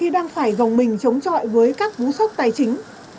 đang phải gồng mình chống chọi với các vũ sốc tài chính